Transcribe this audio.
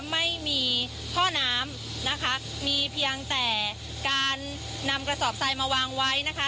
ไม่มีท่อน้ำนะคะมีเพียงแต่การนำกระสอบทรายมาวางไว้นะคะ